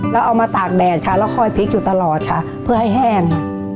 เอามาตากแดดค่ะแล้วคอยพลิกอยู่ตลอดค่ะเพื่อให้แห้งค่ะ